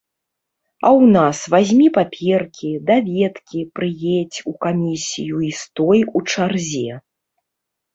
А ў нас вазьмі паперкі, даведкі, прыедзь у камісію і стой у чарзе.